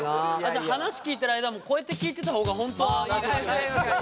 じゃあ話聞いてる間もこうやって聞いてた方が本当はいい？